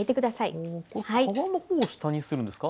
皮のほうを下にするんですか？